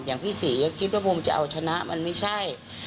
อย่างพี่ศรีก็คิดว่าผมจะเอาชนะมันไม่ใช่